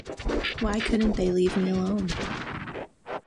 Why couldn't they leave me alone?